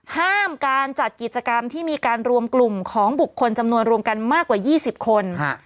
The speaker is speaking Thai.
ห้ามการจัดกิจกรรมที่มีการรวมกลุ่มของบุคคลจำนวนรวมกันมากกว่า๒๐คน